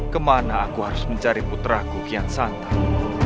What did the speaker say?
kemana aku harus mencari putra kukian santai